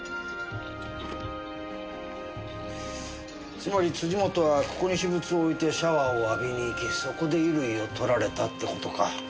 つまり本はここに私物を置いてシャワーを浴びにいきそこで衣類を盗られたって事か。